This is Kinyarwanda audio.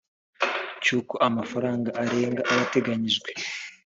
cy uko amafaranga arenga aba ateganijwe